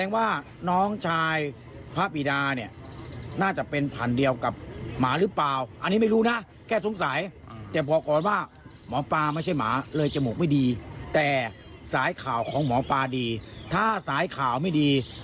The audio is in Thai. วันนี้พระบิดาก็ไม่รู้ว่าจะหลอกโคตรอีกเท่าไร